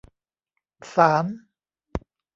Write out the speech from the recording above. ศาล